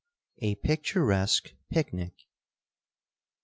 A Picturesque Picnic.